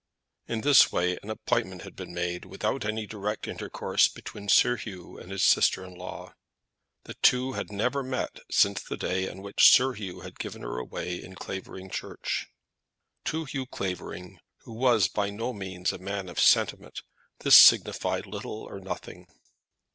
In this way an appointment had been made without any direct intercourse between Sir Hugh and his sister in law. They two had never met since the day on which Sir Hugh had given her away in Clavering Church. To Hugh Clavering, who was by no means a man of sentiment, this signified little or nothing.